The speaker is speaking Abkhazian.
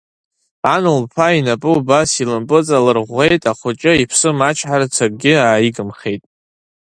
Ан лԥа инапы убас илымпыҵалырӷәӷәеит, ахәыҷы иԥсы маҷхарц акгьы ааигымхеит.